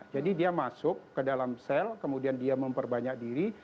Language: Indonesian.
jadi dia masuk ke dalam sel kemudian dia memperbanyak diri